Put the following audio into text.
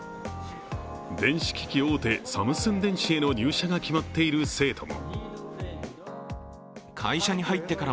電子機器大手・サムスン電子への入社が決まっている生徒も。